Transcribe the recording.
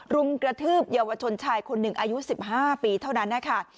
รุมกระทืบเยาวชนชายคนหนึ่งอายุ๑๕ปีเท่านั้นนะคะ